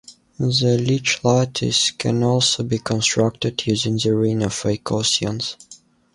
The Leech lattice can also be constructed using the ring of icosians.